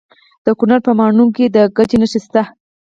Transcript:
د کونړ په ماڼوګي کې د ګچ نښې شته.